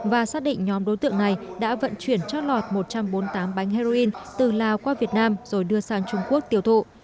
và xác định nhóm đối tượng này đã vận chuyển chót lọt một trăm bốn mươi tám bánh heroin từ lào qua việt nam rồi đưa sang trung quốc tiêu thụ